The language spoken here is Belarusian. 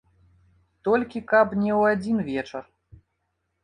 Толькі каб не ў адзін вечар.